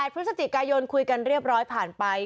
พฤศจิกายนคุยกันเรียบร้อยผ่านไป